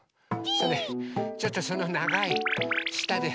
それちょっとそのながいしたで。